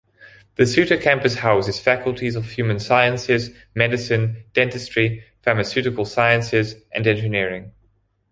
The Suita campus houses faculties of Human Sciences, Medicine, Dentistry, Pharmaceutical Sciences, and Engineering.